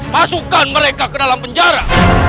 masukkan mereka ke dalam penjara